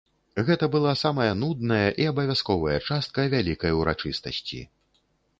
Гэта была самая нудная і абавязковая частка вялікай урачыстасці.